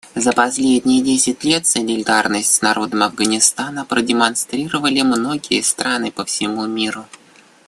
За последние десять лет солидарность с народом Афганистана продемонстрировали многие страны по всему миру.